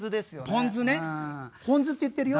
ポン酢ねホンズって言ってるよ。